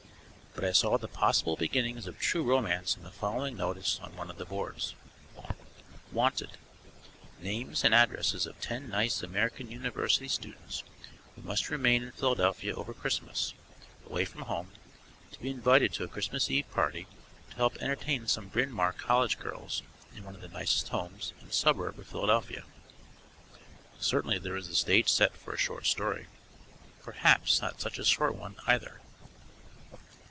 But I saw the possible beginning of true romance in the following notice on one of the boards: WANTED: Names and addresses of ten nice American university students who must remain in Philadelphia over Christmas, away from home, to be invited to a Christmas Eve party to help entertain some Bryn Mawr College girls in one of the nicest homes in a suburb of Philadelphia. Certainly there is the stage set for a short story. Perhaps not such a short one, either.